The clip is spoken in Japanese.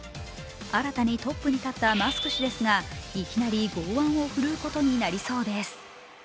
新たにトップに立ったマスク氏ですがいきなり剛腕を振るうことになりそうです。